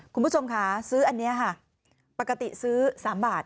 คุณผู้ชมค่ะซื้ออันนี้ค่ะปกติซื้อ๓บาท